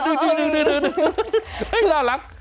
ดูน่ารัก